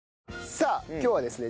さあ今日はですね